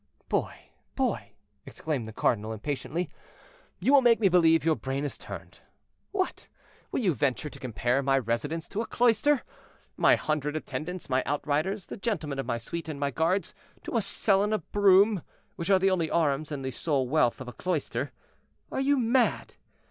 "Boy, boy!" exclaimed the cardinal impatiently, "you will make me believe your brain is turned. What! will you venture to compare my residence to a cloister? my hundred attendants, my outriders, the gentlemen of my suite, and my guards, to a cell and a broom, which are the only arms and the sole wealth of a cloister? Are you mad?